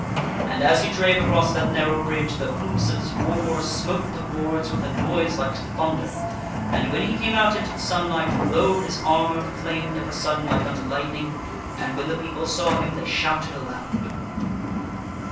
And, as he drave across that narrow bridge, the hoofs of his war horse smote the boards with a noise like to thunder, and when he came out into the sunlight, lo! his armor flamed of a sudden like unto lightning, and when the people saw him they shouted aloud.